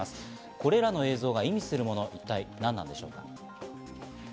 これらの映像が意味するものは一体何なんでしょうか？